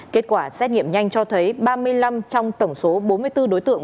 kết quả xét nghiệm nhanh cho thấy ba mươi năm trong tổng số bốn mươi bốn đối tượng